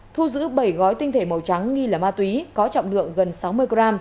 thu giữ bảy gói tinh thể màu trắng nghi là ma túy có trọng lượng gần sáu mươi g